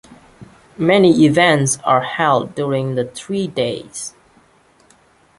Many events are held during the three days.